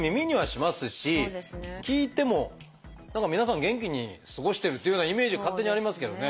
聞いても何か皆さん元気に過ごしてるっていうようなイメージ勝手にありますけどね。